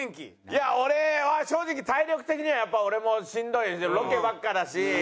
いや俺は正直体力的にはやっぱ俺もしんどいしロケばっかだし